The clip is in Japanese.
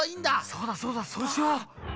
そうだそうだそうしよう。